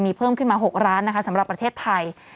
มีเพิ่มขึ้นมา๖ร้านนะคะสำหรับประเทศไทย